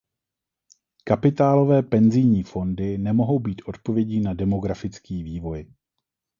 Kapitálové penzijní fondy nemohou být odpovědí na demografický vývoj.